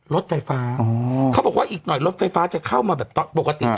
รถไฟฟ้าเขาบอกว่าอีกหน่อยรถไฟฟ้าจะเข้ามาแบบตอนปกติเนี่ย